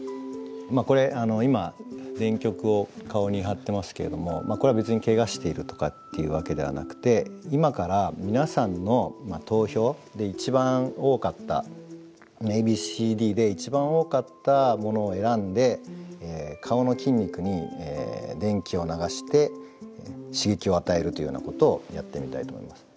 これ今電極を顔に貼ってますけれどもこれは別にケガしているとかっていうわけではなくて今から皆さんの投票で１番多かったＡＢＣＤで１番多かったものを選んで顔の筋肉に電気を流して刺激を与えるというようなことをやってみたいと思います。